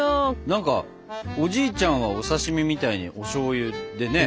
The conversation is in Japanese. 何かおじいちゃんはお刺身みたいにおしょうゆでね